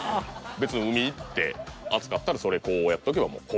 別に海行って暑かったらそれこうやっとけばもう氷。